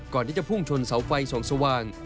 ก่อนที่จะพุ่งชนเสาไฟส่องสว่าง